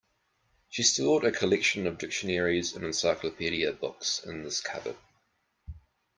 She stored a collection of dictionaries and encyclopedia books in this cupboard.